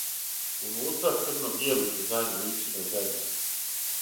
Унутра, црно-бијели дизајн личи на зебру.